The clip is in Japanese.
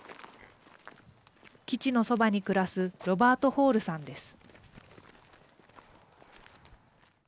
基地のそばに暮らすロバート・ホールさんです。